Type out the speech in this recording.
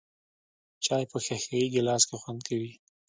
چای په ښیښه یې ګیلاس کې خوند کوي .